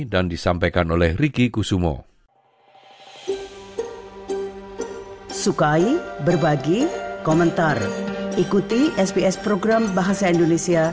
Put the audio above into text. dan disampaikan oleh ricky kusumo